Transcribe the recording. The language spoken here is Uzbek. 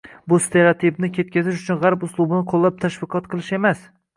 Bu stereotipni ketkazish uchun g‘arb uslubini qo‘llab tashviqot qilish emas